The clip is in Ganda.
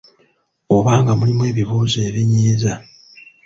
Oba nga mulimu ebibuuzo ebinyiiza